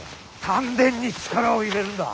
丹田に力を入れるんだ。